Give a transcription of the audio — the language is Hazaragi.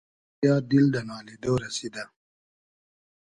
خودایا دیل دۂ نالیدۉ رئسیدۂ